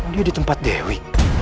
dia di tempat dewi